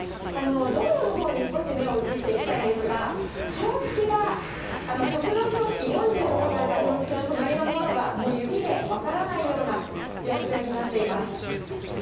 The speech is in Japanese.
道路のほうに少し目を移していきたいんですが、標識が速度標識、４０と書かれた標識の隣のものが、もう雪で分からないような状況になっています。